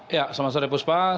ya selamat sore puspa